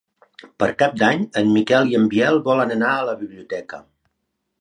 Per Cap d'Any en Miquel i en Biel volen anar a la biblioteca.